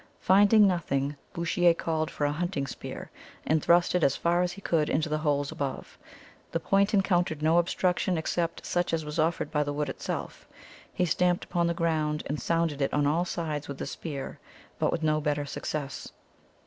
Finding nothing, Bouchier called for a hunting spear, and thrust it as far as he could into the holes above. The point encountered no obstruction except such as was offered by the wood itself. He stamped upon the ground, and sounded it on all sides with the spear, but with no better success.